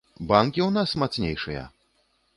Банкі ў нас мацнейшыя?